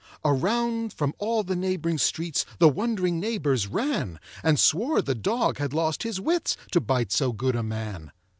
Around from all the neighboring streets The wond'ring neighbors ran, And swore the dog had lost his wits, To bite so good a man.